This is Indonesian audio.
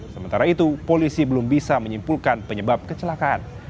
sementara itu polisi belum bisa menyimpulkan penyebab kecelakaan